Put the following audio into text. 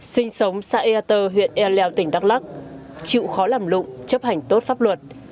sinh sống xã eater huyện e lèo tỉnh đắk lắc chịu khó làm lụng chấp hành tốt pháp luật